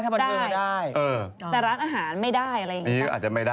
แต่ร้านอาหารไม่ได้